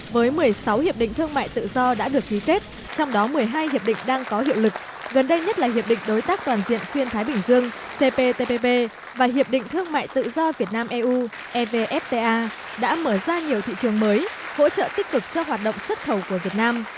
với một mươi sáu hiệp định thương mại tự do đã được ký kết trong đó một mươi hai hiệp định đang có hiệu lực gần đây nhất là hiệp định đối tác toàn diện xuyên thái bình dương cptpp và hiệp định thương mại tự do việt nam eu evfta đã mở ra nhiều thị trường mới hỗ trợ tích cực cho hoạt động xuất khẩu của việt nam